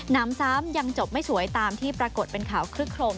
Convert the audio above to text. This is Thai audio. น้ำซ้ำยังจบไม่สวยตามที่ปรากฏเป็นข่าวคลึกโครม